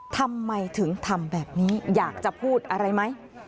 ทำไมถึงทำแบบนี้อยากจะพูดอะไรไหม